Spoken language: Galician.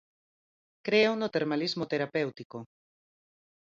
¡Creo no termalismo terapéutico!